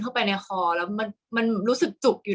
กากตัวทำอะไรบ้างอยู่ตรงนี้คนเดียว